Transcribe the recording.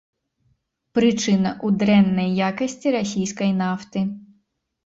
Прычына ў дрэннай якасці расійскай нафты.